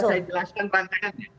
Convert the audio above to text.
saya jelaskan pantangannya